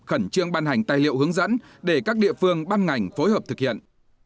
khẩn trương ban hành tài liệu hướng dẫn để các địa phương ban ngành phối hợp thực hiện